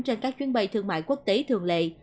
trên các chuyến bay thương mại quốc tế thường lệ